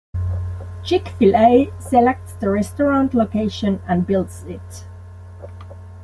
Chick-fil-A selects the restaurant location and builds it.